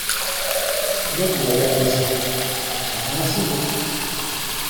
Luṭ irra-yasen: Ala, a Sidi!